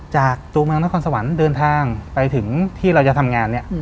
จากตัวเมืองนครสวรรค์เดินทางไปถึงที่เราจะทำงานเนี่ย